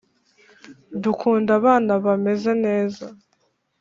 dukunda abana bameze neza